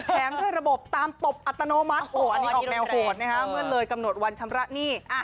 ด้วยระบบตามตบอัตโนมัติอันนี้ออกแนวโหดนะฮะเมื่อเลยกำหนดวันชำระหนี้